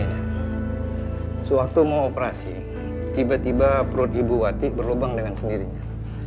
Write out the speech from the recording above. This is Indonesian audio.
sewaktu mau operasi tiba tiba perut ibu wati berlubang dengan sendirinya